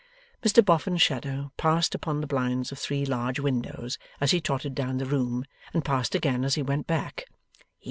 Mr Boffin's shadow passed upon the blinds of three large windows as he trotted down the room, and passed again as he went back.